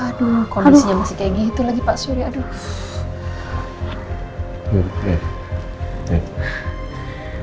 aduh kondisinya masih kayak gitu lagi pak surya aduh